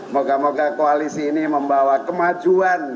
moga moga koalisi ini membawa kemajuan